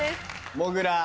もぐら。